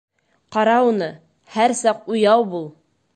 Ҡара уны, һәр саҡ уяу бул!